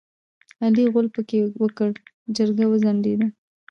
علي غول پکې وکړ؛ جرګه وځنډېده.